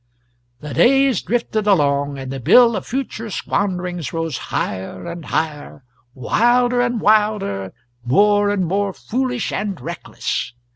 The days drifted along, and the bill of future squanderings rose higher and higher, wilder and wilder, more and more foolish and reckless.